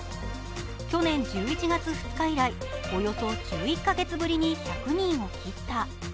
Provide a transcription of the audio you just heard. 去年１１月２日以来、およそ１１カ月ぶりに１００人を切った。